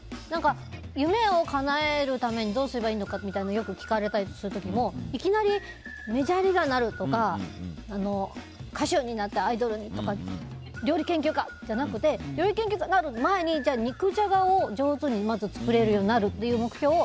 夢をかなえるためにどうすればいいのかみたいなのをよく聞かれたりする時もいきなりメジャーリーガーになるとか歌手になってアイドルになってとか料理研究家じゃなくて料理研究家になる前にじゃあ、肉じゃがを上手にまず作れるようになるっていう目標を。